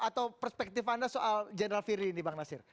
atau perspektif anda soal general firly ini bang nasir